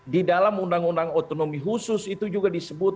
di dalam undang undang otonomi khusus itu juga disebut